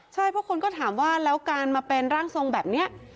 ใช่เพราะคนก็ถามว่าแล้วการมาเป็นร่างทรงแบบนี้